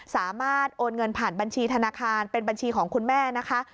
โอนเงินผ่านบัญชีธนาคารเป็นบัญชีของคุณแม่นะคะ